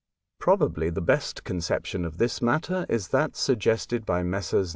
*" Probably the best conception of this matter is that suggested by Messrs.